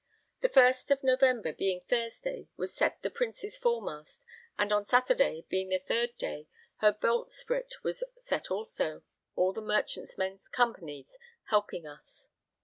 The first of November, being Thursday, was set the Prince's foremast, and on Saturday, being the 3rd day, her boltsprit was set also, all the merchantmen's companies helping us.